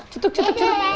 cutuk cutuk cutuk